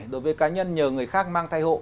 đối với cá nhân nhờ người khác mang thai hộ